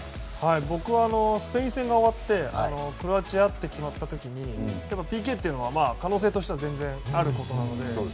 僕はスペイン戦が終わってクロアチアと決まった時にＰＫというのは可能性としては全然あることなので。